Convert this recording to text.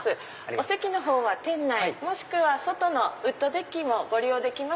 お席のほうは店内もしくは外のウッドデッキも利用できます。